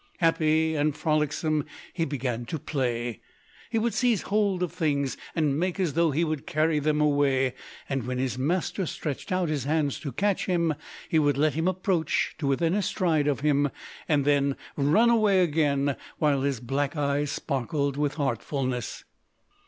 Happy and frolicsome he began to play; he would seize hold of things and make as though he would carry them away, and when his master stretched out his hands to catch him, he would let him approach to within a stride of him, and then run away again, while his black eyes sparkled with artfulness.